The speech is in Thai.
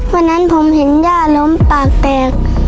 วันนั้นผมเห็นย่าล้มปากแตก